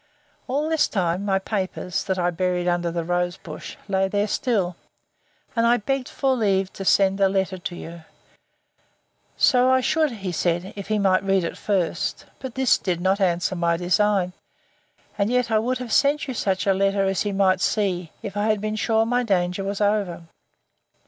All this time, my papers, that I buried under the rose bush, lay there still; and I begged for leave to send a letter to you. So I should, he said, if he might read it first. But this did not answer my design; and yet I would have sent you such a letter as he might see, if I had been sure my danger was over.